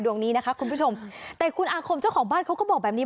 ดวงนี้นะคะคุณผู้ชมแต่คุณอาคมเจ้าของบ้านเขาก็บอกแบบนี้